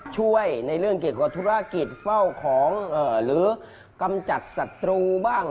ช่วยในเรื่องเกี่ยวกับธุรกิจเฝ้าของหรือกำจัดศัตรูบ้าง